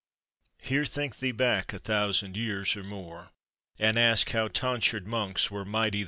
Here think thee back a thousand years or more, And ask how tonsured monks were mighty then No.